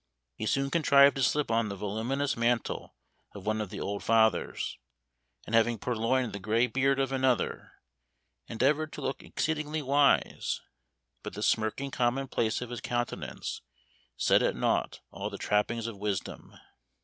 He soon contrived to slip on the voluminous mantle of one of the old fathers, and having purloined the gray beard of another, endeavored to look exceedingly wise; but the smirking commonplace of his countenance set at naught all the trappings of wisdom.